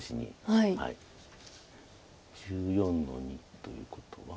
１４の二ということは。